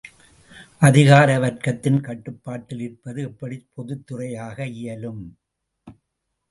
அதிகார வர்க்கத்தின் கட்டுப்பாட்டில் இருப்பது எப்படி பொதுத்துறையாக இயலும்?